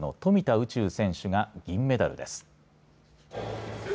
宇宙選手が銀メダルです。